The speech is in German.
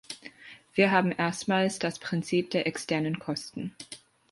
Wir haben erstmals das Prinzip der externen Kosten.